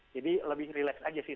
jadi lebih relax aja sih